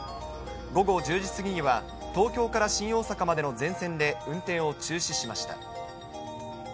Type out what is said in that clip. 午後１０時過ぎには、東京から新大阪までの全線で運転を中止しました。